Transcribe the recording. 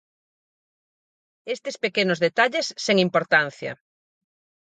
Estes pequenos detalles sen importancia.